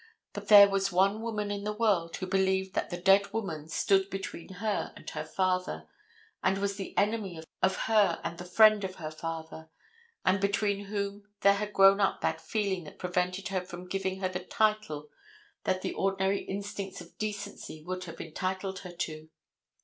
But there was one woman in the world who believed that that dead woman stood between her and her father, and was the enemy of her and the friend of her father, and between whom there had grown up that feeling that prevented her from giving her the title that the ordinary instincts of decency would have entitled her to.